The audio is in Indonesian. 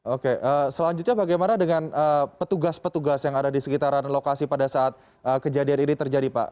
oke selanjutnya bagaimana dengan petugas petugas yang ada di sekitaran lokasi pada saat kejadian ini terjadi pak